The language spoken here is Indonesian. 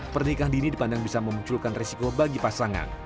pernikah dini dipandang bisa memunculkan risiko bagi pasangan